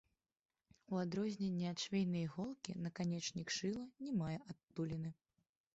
У адрозненне ад швейнай іголкі, наканечнік шыла не мае адтуліны.